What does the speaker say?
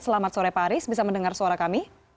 selamat sore pak aris bisa mendengar suara kami